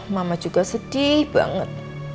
mama juga sedih banget